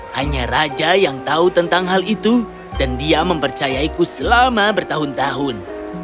hanya raja yang tahu tentang hal itu dan dia mempercayaiku selama bertahun tahun